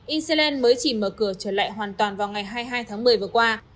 israel mới chỉ mở cửa trở lại hoàn toàn vào ngày hai mươi hai tháng một mươi vừa qua